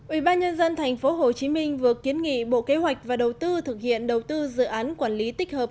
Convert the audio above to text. ủy ban nhân dân tp hcm vừa kiến nghị bộ kế hoạch và đầu tư thực hiện đầu tư dự án quản lý tích hợp